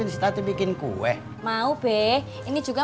beres ga piecesnya ini een tidak fitnhak